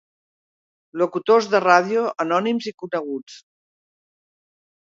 Locutors de ràdio anònims i coneguts.